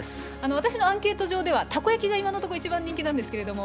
私のアンケート上ではたこ焼きが今のところ一番人気なんですけど。